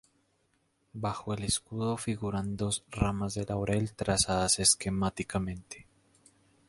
Bajo el escudo figuran dos ramas de laurel trazadas esquemáticamente.